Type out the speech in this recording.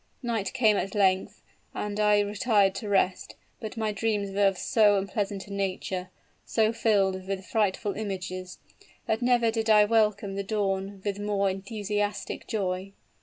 Night came at length, and I retired to rest; but my dreams were of so unpleasant a nature so filled with frightful images that never did I welcome the dawn with more enthusiastic joy.